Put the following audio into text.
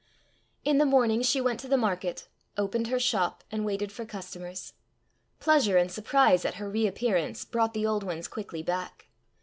In the morning she went to the market, opened her shop, and waited for customers. Pleasure and surprise at her reappearance brought the old ones quickly back.